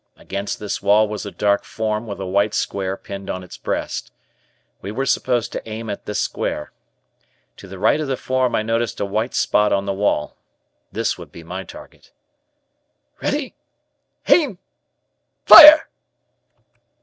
Against this wall was a dark form with a white square pinned on its breast. We were supposed to aim at this square. To the right of the form I noticed a white spot on the wall. This would be my target. "Ready! Aim! Fire!"